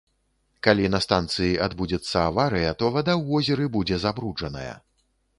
Калі на станцыі адбудзецца аварыя, то вада ў возеры будзе забруджаная.